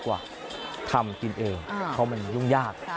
กว่าทำจิ้มเค็มของมันยุ่งยาก